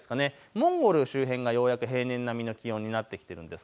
モンゴル周辺がようやく平年並みの気温になってきているんです。